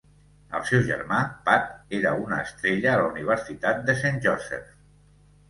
El seu germà, Pat, era una estrella a la Universitat de Saint Joseph.